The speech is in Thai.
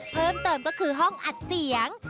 เพิ่มเติมก็คือห้องอัดเสียง